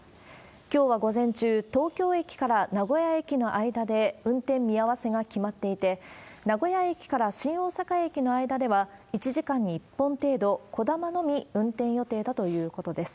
きょうは午前中、東京駅から名古屋駅の間で運転見合わせが決まっていて、名古屋駅から新大阪駅の間では、１時間に１本程度、こだまのみ運転予定だということです。